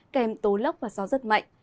kèm tố lóc và gió rất mạnh